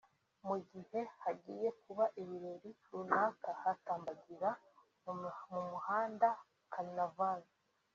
mu gihe hagiye kuba ibirori runaka batambagira mu muhanda (carnaval)